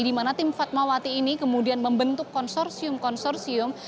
dimana tim fatmawati ini kemudian membentuk konsorsium konsorsium